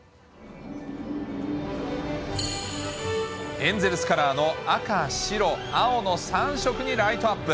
エンゼルスカラーの赤、白、青の３色にライトアップ。